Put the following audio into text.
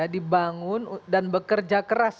dan bekerja keras